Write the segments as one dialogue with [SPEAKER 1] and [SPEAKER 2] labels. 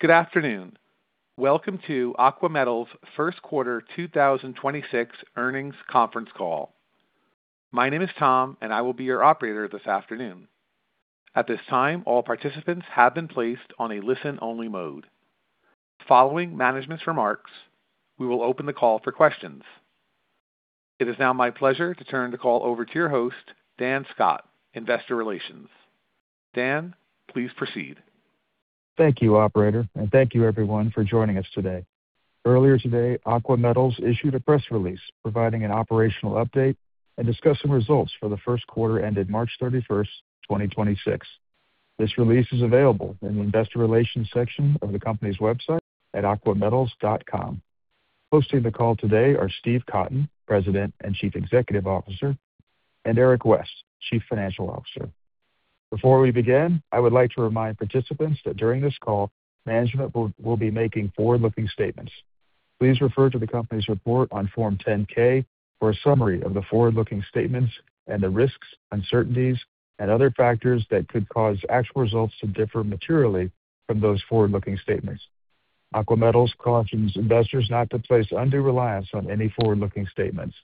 [SPEAKER 1] Good afternoon. Welcome to Aqua Metals' Q1 2026 earnings conference call. My name is Tom, and I will be your operator this afternoon. At this time, all participants have been placed on a listen-only mode. Following management's remarks, we will open the call for questions. It is now my pleasure to turn the call over to your host, Dan Scott, investor relations. Dan, please proceed.
[SPEAKER 2] Thank you, operator. Thank you everyone for joining us today. Earlier today, Aqua Metals issued a press release providing an operational update and discussing results for the Q1 ended March 31st, 2026. This release is available in the investor relations section of the company's website at aquametals.com. Hosting the call today are Steve Cotton, President and Chief Executive Officer, and Eric West, Chief Financial Officer. Before we begin, I would like to remind participants that during this call, management will be making forward-looking statements. Please refer to the company's report on Form 10-K for a summary of the forward-looking statements and the risks, uncertainties, and other factors that could cause actual results to differ materially from those forward-looking statements. Aqua Metals cautions investors not to place undue reliance on any forward-looking statements.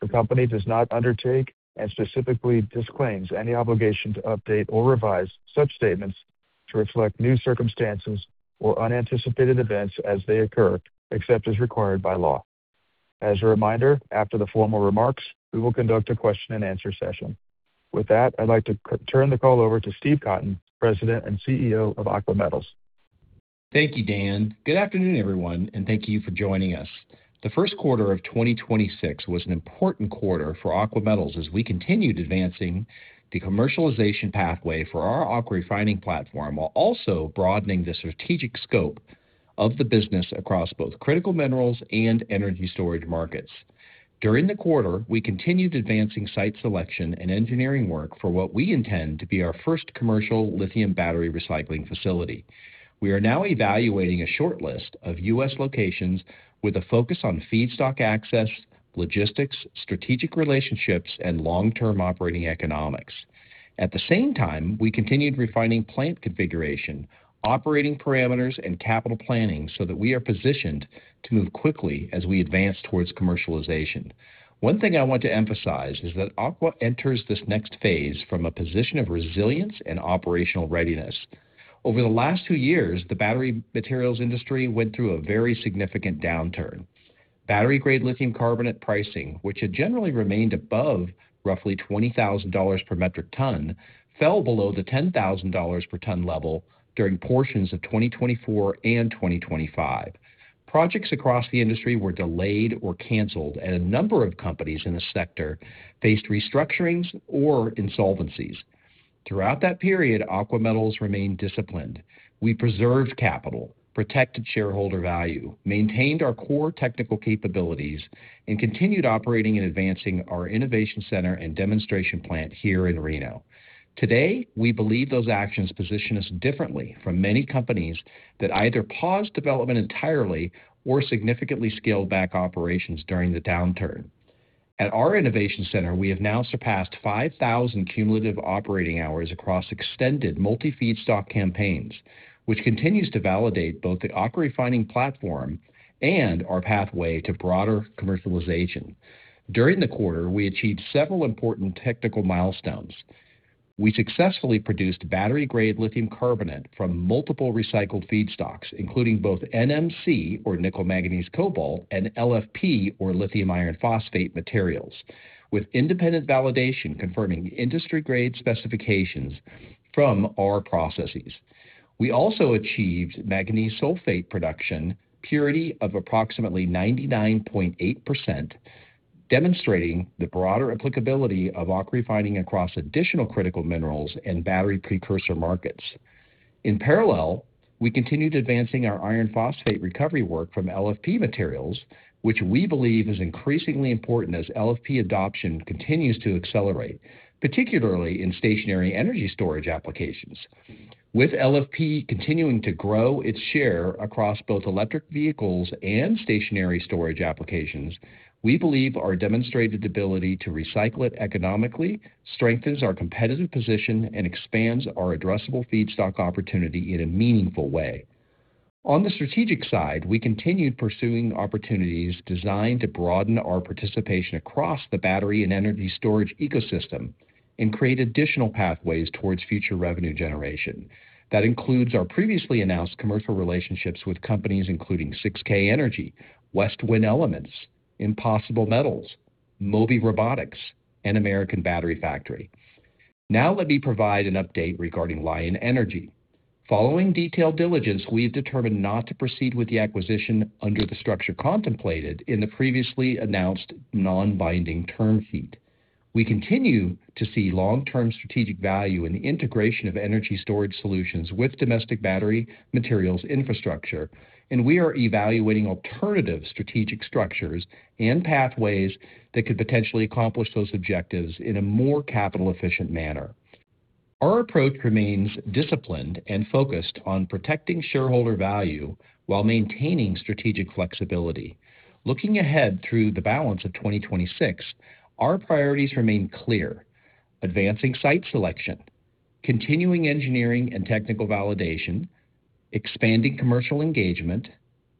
[SPEAKER 2] The company does not undertake and specifically disclaims any obligation to update or revise such statements to reflect new circumstances or unanticipated events as they occur, except as required by law. As a reminder, after the formal remarks, we will conduct a question-and-answer session. With that, I'd like to turn the call over to Steve Cotton, President and Chief Executive Officer of Aqua Metals.
[SPEAKER 3] Thank you, Dan. Good afternoon, everyone, thank you for joining us. The Q1 of 2026 was an important quarter for Aqua Metals as we continued advancing the commercialization pathway for our AquaRefining platform, while also broadening the strategic scope of the business across both critical minerals and energy storage markets. During the quarter, we continued advancing site selection and engineering work for what we intend to be our first commercial lithium battery recycling facility. We are now evaluating a shortlist of U.S. locations with a focus on feedstock access, logistics, strategic relationships, and long-term operating economics. At the same time, we continued refining plant configuration, operating parameters, and capital planning so that we are positioned to move quickly as we advance towards commercialization. One thing I want to emphasize is that Aqua enters this next phase from a position of resilience and operational readiness. Over the last two years, the battery materials industry went through a very significant downturn. Battery-grade lithium carbonate pricing, which had generally remained above roughly $20,000 per metric ton, fell below the $10,000 per ton level during portions of 2024 and 2025. Projects across the industry were delayed or canceled. A number of companies in the sector faced restructurings or insolvencies. Throughout that period, Aqua Metals remained disciplined. We preserved capital, protected shareholder value, maintained our core technical capabilities, and continued operating and advancing our innovation center and demonstration plant here in Reno. Today, we believe those actions position us differently from many companies that either paused development entirely or significantly scaled back operations during the downturn. At our innovation center, we have now surpassed 5,000 cumulative operating hours across extended multi-feedstock campaigns, which continues to validate both the AquaRefining platform and our pathway to broader commercialization. During the quarter, we achieved several important technical milestones. We successfully produced battery-grade lithium carbonate from multiple recycled feedstocks, including both NMC or nickel manganese cobalt and LFP or lithium iron phosphate materials, with independent validation confirming industry-grade specifications from our processes. We also achieved manganese sulfate production purity of approximately 99.8%, demonstrating the broader applicability of AquaRefining across additional critical minerals and battery precursor markets. In parallel, we continued advancing our iron phosphate recovery work from LFP materials, which we believe is increasingly important as LFP adoption continues to accelerate, particularly in stationary energy storage applications. With LFP continuing to grow its share across both electric vehicles and stationary storage applications, we believe our demonstrated ability to recycle it economically strengthens our competitive position and expands our addressable feedstock opportunity in a meaningful way. On the strategic side, we continued pursuing opportunities designed to broaden our participation across the battery and energy storage ecosystem and create additional pathways towards future revenue generation. That includes our previously announced commercial relationships with companies including 6K Energy, Westwin Elements, Impossible Metals, Mobi Robotics, and American Battery Factory. Let me provide an update regarding Lion Energy. Following detailed diligence, we have determined not to proceed with the acquisition under the structure contemplated in the previously announced non-binding term sheet. We continue to see long-term strategic value in the integration of energy storage solutions with domestic battery materials infrastructure, and we are evaluating alternative strategic structures and pathways that could potentially accomplish those objectives in a more capital-efficient manner. Our approach remains disciplined and focused on protecting shareholder value while maintaining strategic flexibility. Looking ahead through the balance of 2026, our priorities remain clear, advancing site selection, continuing engineering and technical validation, expanding commercial engagement,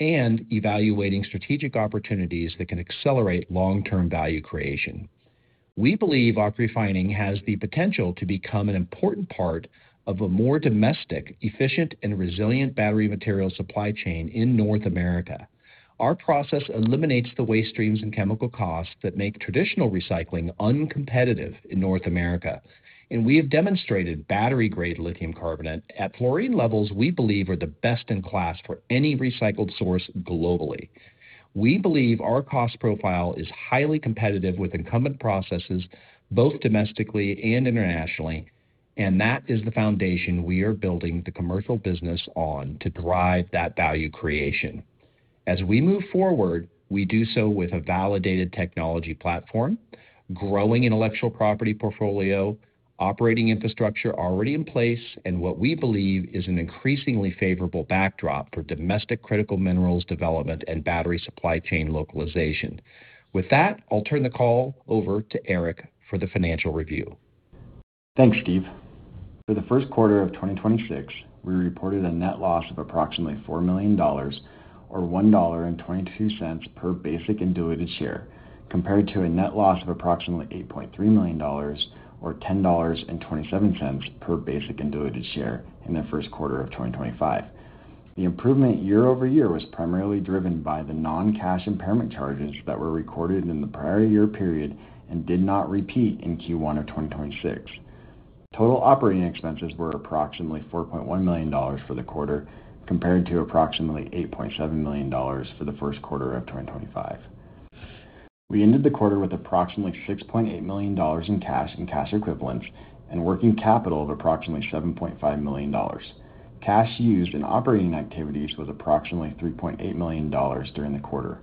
[SPEAKER 3] and evaluating strategic opportunities that can accelerate long-term value creation. We believe AquaRefining has the potential to become an important part of a more domestic, efficient, and resilient battery material supply chain in North America. Our process eliminates the waste streams and chemical costs that make traditional recycling uncompetitive in North America. we have demonstrated battery-grade lithium carbonate at fluorine levels we believe are the best in class for any recycled source globally. We believe our cost profile is highly competitive with incumbent processes, both domestically and internationally, and that is the foundation we are building the commercial business on to drive that value creation. As we move forward, we do so with a validated technology platform, growing intellectual property portfolio, operating infrastructure already in place, and what we believe is an increasingly favorable backdrop for domestic critical minerals development and battery supply chain localization. With that, I'll turn the call over to Eric for the financial review.
[SPEAKER 4] Thanks, Steve. For the Q1 of 2026, we reported a net loss of approximately $4 million or $1.22 per basic and diluted share, compared to a net loss of approximately $8.3 million or $10.27 per basic and diluted share in the Q1 of 2025. The improvement year-over-year was primarily driven by the non-cash impairment charges that were recorded in the prior year period and did not repeat in Q1 of 2026. Total operating expenses were approximately $4.1 million for the quarter, compared to approximately $8.7 million for the Q1 of 2025. We ended the quarter with approximately $6.8 million in cash and cash equivalents and working capital of approximately $7.5 million. Cash used in operating activities was approximately $3.8 million during the quarter.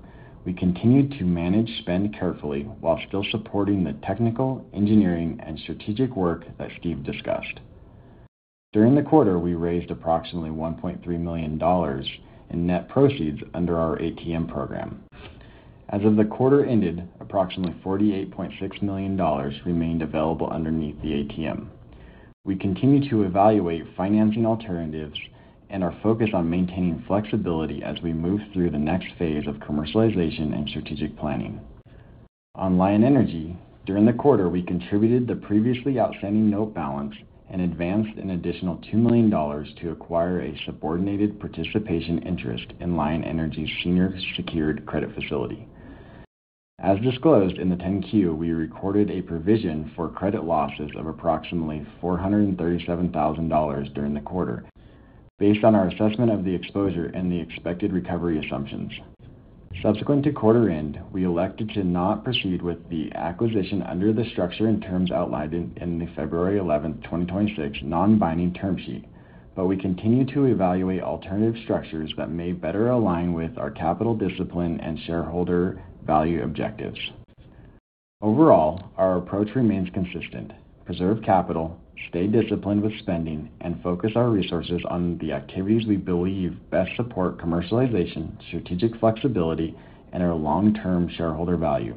[SPEAKER 4] We continued to manage spend carefully while still supporting the technical, engineering, and strategic work that Steve discussed. During the quarter, we raised approximately $1.3 million in net proceeds under our ATM program. As of the quarter ended, approximately $48.6 million remained available underneath the ATM. We continue to evaluate financing alternatives and are focused on maintaining flexibility as we move through the next phase of commercialization and strategic planning. On Lion Energy, during the quarter, we contributed the previously outstanding note balance and advanced an additional $2 million to acquire a subordinated participation interest in Lion Energy's senior secured credit facility. As disclosed in the Form 10-Q, we recorded a provision for credit losses of approximately $437,000 during the quarter based on our assessment of the exposure and the expected recovery assumptions. Subsequent to quarter end, we elected to not proceed with the acquisition under the structure and terms outlined in the February 11th, 2026 non-binding term sheet, but we continue to evaluate alternative structures that may better align with our capital discipline and shareholder value objectives. Overall, our approach remains consistent: preserve capital, stay disciplined with spending, and focus our resources on the activities we believe best support commercialization, strategic flexibility, and our long-term shareholder value.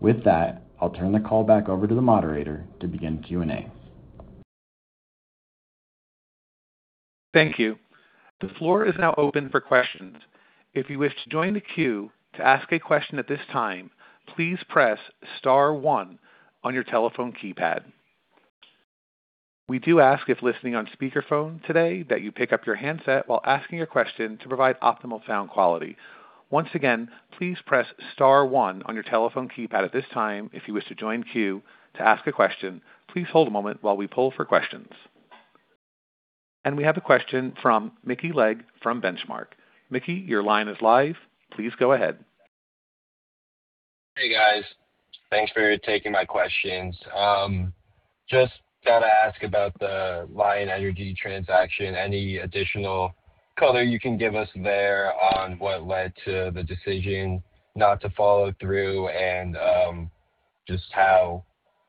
[SPEAKER 4] With that, I'll turn the call back over to the moderator to begin Q&A.
[SPEAKER 1] Thank you. The floor is now open for questions. If you wish to join the queue to ask a question at this time, please press star one on your telephone keypad. We do ask, if listening on speakerphone today, that you pick up your handset while asking a question to provide optimal sound quality. Once again, please press star one on your telephone keypad at this time, if you wish to join queue to ask a question. Please hold a moment while we poll for questions. We have a question from Mickey Legg from Benchmark. Mickey, your line is live. Please go ahead.
[SPEAKER 5] Hey, guys. Thanks for taking my questions. Just gotta ask about the Lion Energy transaction. Any additional color you can give us there on what led to the decision not to follow through and just how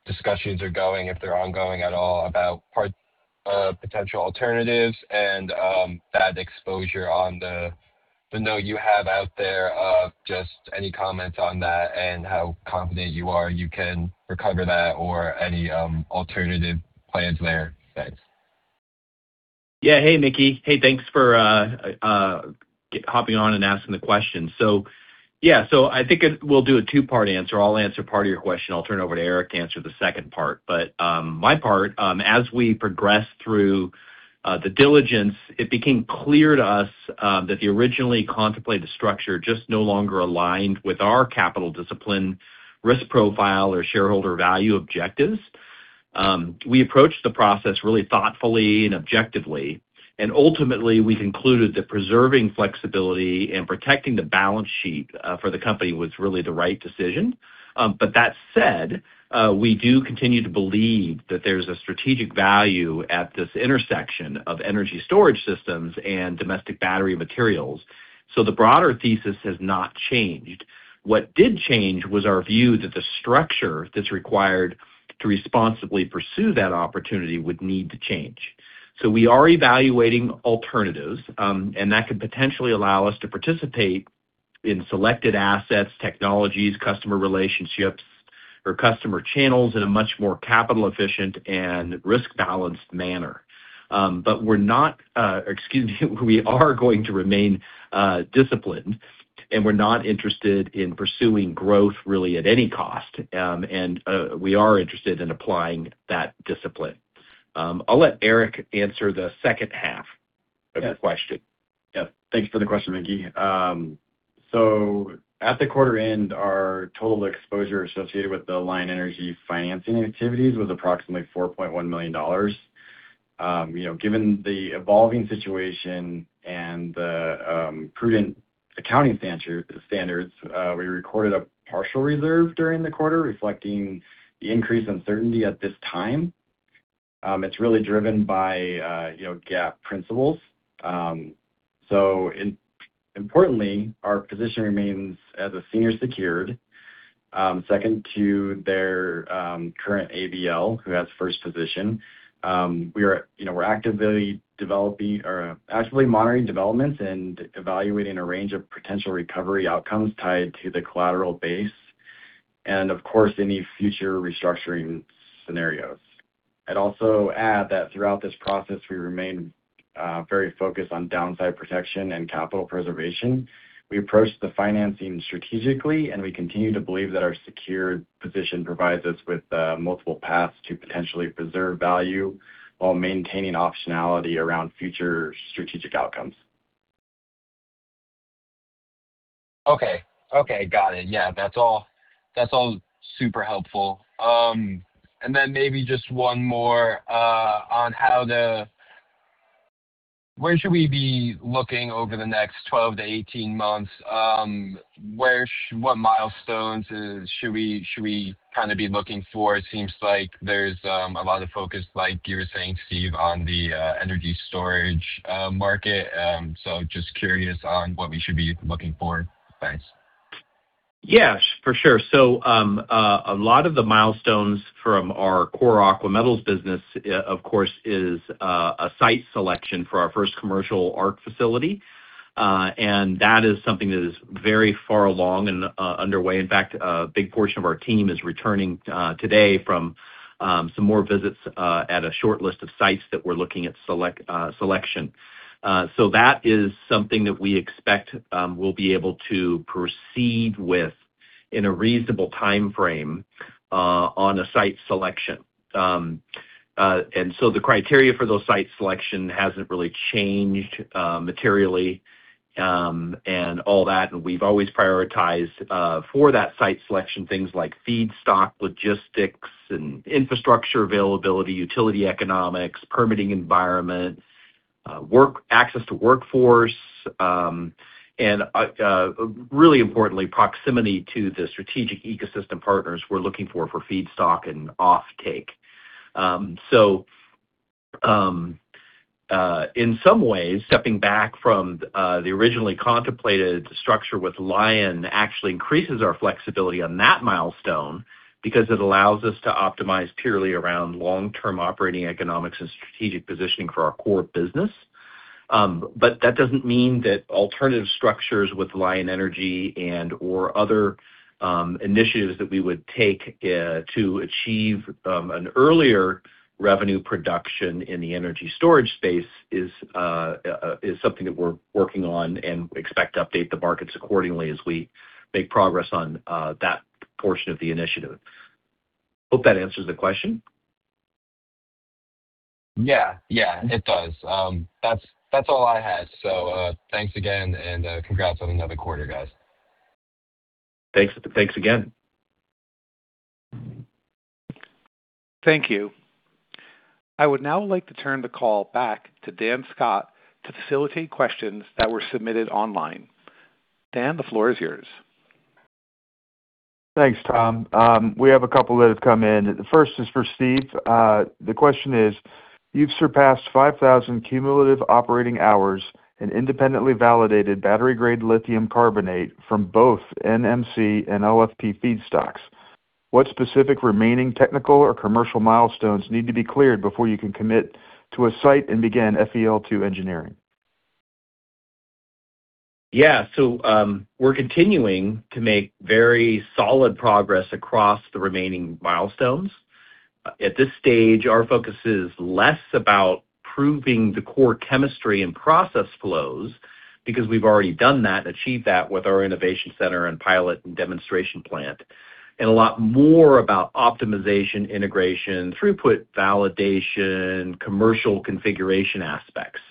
[SPEAKER 5] discussions are going, if they're ongoing at all, about potential alternatives and that exposure on the note you have out there. Just any comments on that and how confident you are you can recover that or any alternative plans there. Thanks.
[SPEAKER 3] Yeah. Hey, Mickey. Hey, thanks for hopping on and asking the question. Yeah, I think we'll do a two-part answer. I'll answer part of your question. I'll turn it over to Eric to answer the second part. My part, as we progress through the diligence, it became clear to us that the originally contemplated structure just no longer aligned with our capital discipline, risk profile, or shareholder value objectives. We approached the process really thoughtfully and objectively, and ultimately, we concluded that preserving flexibility and protecting the balance sheet for the company was really the right decision. That said, we do continue to believe that there's a strategic value at this intersection of energy storage systems and domestic battery materials. The broader thesis has not changed. What did change was our view that the structure that's required to responsibly pursue that opportunity would need to change. We are evaluating alternatives, and that could potentially allow us to participate in selected assets, technologies, customer relationships or customer channels in a much more capital efficient and risk-balanced manner. excuse me. We are going to remain disciplined, and we're not interested in pursuing growth really at any cost. We are interested in applying that discipline. I'll let Eric answer the H2 of the question.
[SPEAKER 4] Thanks for the question, Mickey Legg. At the quarter end, our total exposure associated with the Lion Energy financing activities was approximately $4.1 million. You know, given the evolving situation and the prudent accounting standards, we recorded a partial reserve during the quarter, reflecting the increased uncertainty at this time. It's really driven by, you know, GAAP principles. Importantly, our position remains as a senior secured, second to their current ABL, who has first position. We are, you know, we're actively developing or actively monitoring developments and evaluating a range of potential recovery outcomes tied to the collateral base and, of course, any future restructuring scenarios. I'd also add that throughout this process, we remain very focused on downside protection and capital preservation. We approach the financing strategically, and we continue to believe that our secured position provides us with multiple paths to potentially preserve value while maintaining optionality around future strategic outcomes.
[SPEAKER 5] Okay. Okay. Got it. Yeah, that's all, that's all super helpful. Maybe just one more on where should we be looking over the next 12-18 months? What milestones should we kind of be looking for? It seems like there's a lot of focus, like you were saying, Steve, on the energy storage market. Just curious on what we should be looking for. Thanks.
[SPEAKER 3] Yeah, for sure. A lot of the milestones from our core Aqua Metals business, of course, is a site selection for our first commercial ARC facility, and that is something that is very far along and underway. In fact, a big portion of our team is returning today from some more visits at a short list of sites that we're looking at selection. That is something that we expect we'll be able to proceed with in a reasonable timeframe on a site selection. The criteria for those site selection hasn't really changed materially and all that. We've always prioritized for that site selection, things like feedstock, logistics and infrastructure availability, utility economics, permitting environment, access to workforce, and really importantly, proximity to the strategic ecosystem partners we're looking for feedstock and offtake. In some ways, stepping back from the originally contemplated structure with Lion actually increases our flexibility on that milestone because it allows us to optimize purely around long-term operating economics and strategic positioning for our core business. That doesn't mean that alternative structures with Lion Energy and/or other initiatives that we would take to achieve an earlier revenue production in the energy storage space is something that we're working on and expect to update the markets accordingly as we make progress on that portion of the initiative. Hope that answers the question.
[SPEAKER 5] Yeah. Yeah, it does. That's all I had. Thanks again, and, congrats on another quarter, guys.
[SPEAKER 3] Thanks. Thanks again.
[SPEAKER 1] Thank you. I would now like to turn the call back to Dan Scott to facilitate questions that were submitted online. Dan, the floor is yours.
[SPEAKER 2] Thanks, Tom. We have a couple that have come in. The first is for Steve. The question is: You've surpassed 5,000 cumulative operating hours and independently validated battery-grade lithium carbonate from both NMC and LFP feedstocks. What specific remaining technical or commercial milestones need to be cleared before you can commit to a site and begin FEL2 engineering?
[SPEAKER 3] We're continuing to make very solid progress across the remaining milestones. At this stage, our focus is less about proving the core chemistry and process flows because we've already done that and achieved that with our innovation center and pilot and demonstration plant, and a lot more about optimization, integration, throughput, validation, commercial configuration aspects.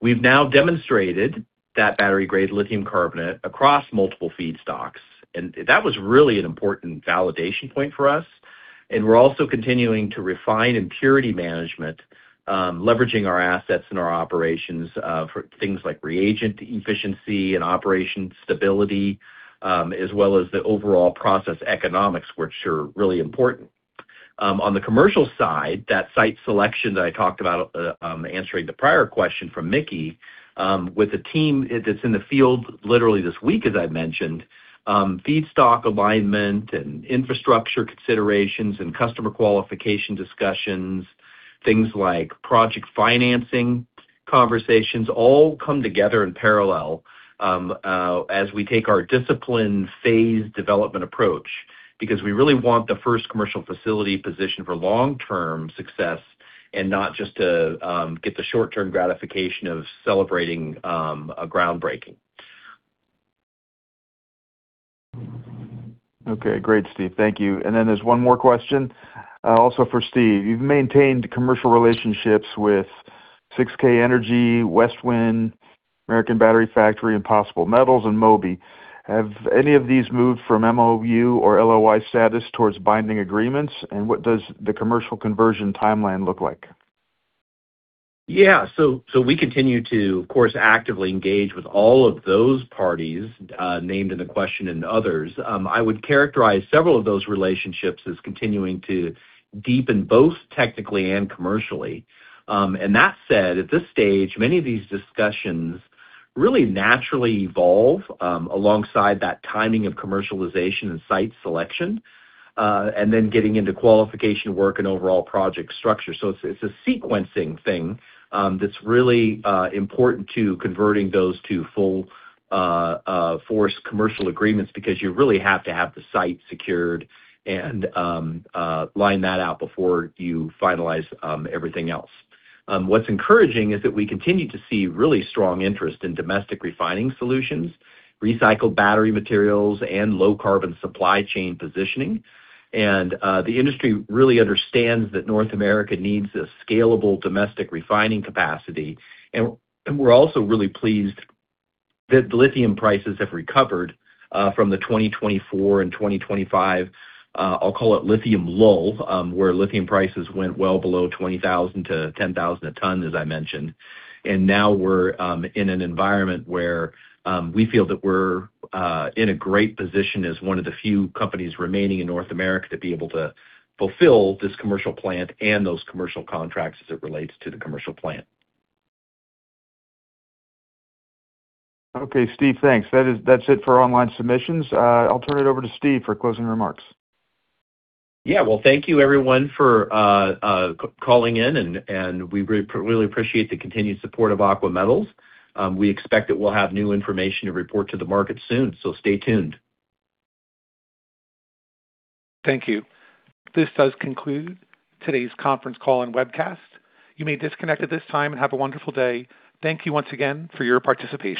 [SPEAKER 3] We've now demonstrated that battery-grade lithium carbonate across multiple feedstocks, and that was really an important validation point for us. We're also continuing to refine impurity management, leveraging our assets and our operations, for things like reagent efficiency and operation stability, as well as the overall process economics, which are really important. On the commercial side, that site selection that I talked about, answering the prior question from Mickey, with the team that's in the field literally this week, as I've mentioned, feedstock alignment and infrastructure considerations and customer qualification discussions, things like project financing conversations all come together in parallel, as we take our disciplined phase development approach. We really want the first commercial facility positioned for long-term success and not just to get the short-term gratification of celebrating a groundbreaking.
[SPEAKER 2] Okay. Great, Steve. Thank you. Then there's one more question, also for Steve. You've maintained commercial relationships with 6K Energy, Westwin Elements, American Battery Factory, Impossible Metals, and Mobi. Have any of these moved from MOU or LOI status towards binding agreements? What does the commercial conversion timeline look like?
[SPEAKER 3] We continue to, of course, actively engage with all of those parties named in the question and others. I would characterize several of those relationships as continuing to deepen both technically and commercially. That said, at this stage, many of these discussions really naturally evolve alongside that timing of commercialization and site selection, and then getting into qualification work and overall project structure. It's a sequencing thing that's really important to converting those to full force commercial agreements because you really have to have the site secured and line that out before you finalize everything else. What's encouraging is that we continue to see really strong interest in domestic refining solutions, recycled battery materials, and low carbon supply chain positioning. The industry really understands that North America needs a scalable domestic refining capacity. We're also really pleased that the lithium prices have recovered from the 2024 and 2025, I'll call it lithium lull, where lithium prices went well below $20,000-$10,000 a ton, as I mentioned. Now we're in an environment where we feel that we're in a great position as one of the few companies remaining in North America to be able to fulfill this commercial plant and those commercial contracts as it relates to the commercial plant.
[SPEAKER 2] Okay, Steve, thanks. That's it for online submissions. I'll turn it over to Steve for closing remarks.
[SPEAKER 3] Yeah. Well, thank you everyone for calling in and we really appreciate the continued support of Aqua Metals. We expect that we'll have new information to report to the market soon, stay tuned.
[SPEAKER 1] Thank you. This does conclude today's conference call and webcast. You may disconnect at this time, and have a wonderful day. Thank you once again for your participation.